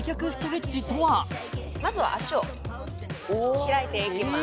まずは脚を開いていきます